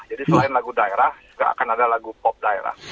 jadi selain lagu daerah nggak akan ada lagu pop daerah